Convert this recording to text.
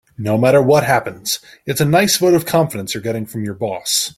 No matter what happens, it's a nice vote of confidence you're getting from your boss.